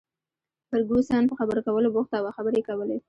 فرګوسن په خبرو کولو بوخته وه، خبرې یې کولې.